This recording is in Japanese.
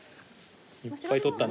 いっぱい取ったな。